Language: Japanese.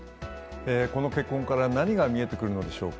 この結婚から何が見えてくるのでしょうか。